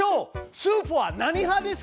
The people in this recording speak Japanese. スープは何派ですか？